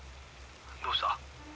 どうした？